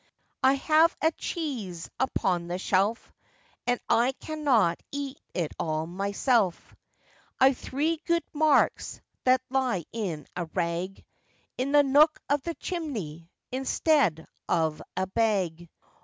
I have a cheese upon the shelf, And I cannot eat it all myself; I've three good marks that lie in a rag, In the nook of the chimney, instead of a bag.